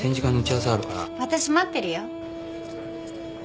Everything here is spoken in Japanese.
私待ってるよ。